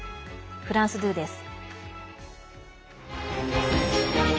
フランス２です。